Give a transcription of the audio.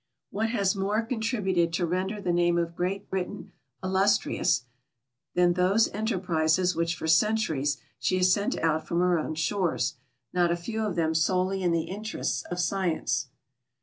What has more contributed to render the name of Great Britain illustrious than those enterprises which for centuries she has sent out from her own shores, not a few of them solely in the interests of sci ence